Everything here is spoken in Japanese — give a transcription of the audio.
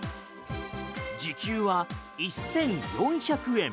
時給は１４００円